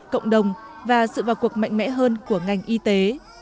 cộng đồng và sự vào cuộc mạnh mẽ hơn của ngành y tế